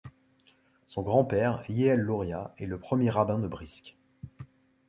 Son grand-père, Yehiel Louria, est le premier rabbin de Brisk.